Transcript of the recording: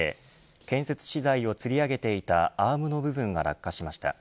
建設資材をつり上げていたアームの部分が落下しました。